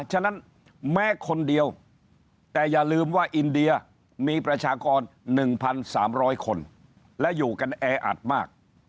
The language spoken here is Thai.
ฉะนั้นแม้คนเดียวแต่อย่าลืมว่าอินเดียมีประชากร๑๓๐๐คนและอยู่กันแออัดมาก